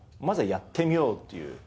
まずはやってみようという。